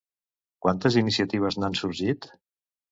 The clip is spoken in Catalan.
Quantes iniciatives n'han sorgit?